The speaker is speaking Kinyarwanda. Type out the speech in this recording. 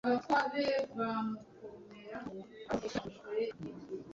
Ku nyuguti itangira izina ry’inyandiko cyangwa ry’igitabo.